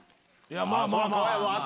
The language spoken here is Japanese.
まあまあまあ。